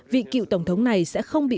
vị cựu tổng thống này sẽ không bị